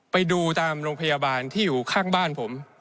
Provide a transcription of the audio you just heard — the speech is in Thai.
ไปดูตามโรงพยาบาลที่อยู่ข้างบ้านผม